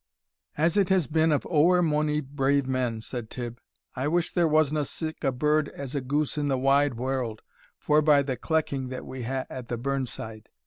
"As it has been of ower mony brave men," said Tibb; "I wish there wasna sic a bird as a goose in the wide warld, forby the clecking that we hae at the burn side."